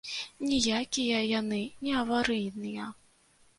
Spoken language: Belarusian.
Ніякія яны не аварыйныя.